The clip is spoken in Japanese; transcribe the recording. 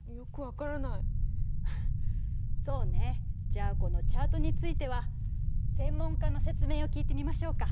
じゃあこのチャートについては専門家の説明を聞いてみましょうか。